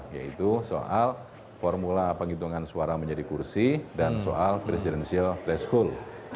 yaitu soal formula penghitungan suara menjadi kursi dan soal presidensial threshold